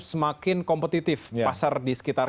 semakin kompetitif pasar di sekitar